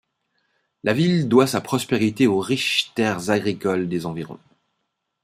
La ville doit sa prospérité aux riches terres agricoles des environs.